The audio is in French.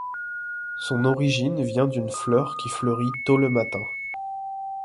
Son origine viens d'une fleur qui fleurit tot le matin.